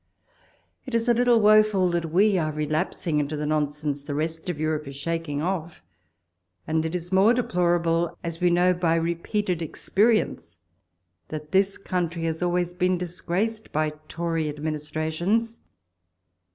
It is a little woful, that we are relapsing into the nonsense the rest of Europe is shaking off ! and it is more deplorable, as we know by repeated experience, that this country has always been disgraced by Tory administrations.